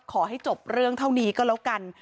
ขอให้จบเรื่องเท่านี้ก็แล้วกัน